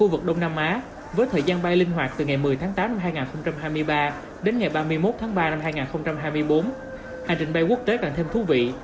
đông nam á với thời gian bay linh hoạt từ ngày một mươi tháng tám năm hai nghìn hai mươi ba đến ngày ba mươi một tháng ba năm hai nghìn hai mươi bốn hành trình bay quốc tế càng thêm thú vị